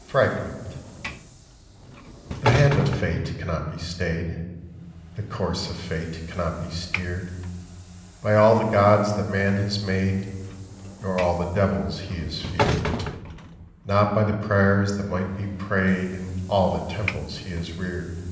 FRAGMENT The hand of Fate cannot be stayed, The course of Fate cannot be steered, By all the gods that man has made, Nor all the devils he has feared, Not by the prayers that might be prayed In all the temples he has reared.